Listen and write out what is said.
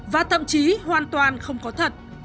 và thậm chí hoàn toàn không có thật